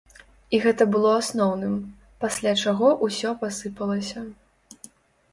І гэта было асноўным, пасля чаго ўсё пасыпалася.